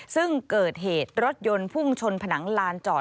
ซึ่งเกิดเหตุรถยนต์พุ่งชนผนังลานจอด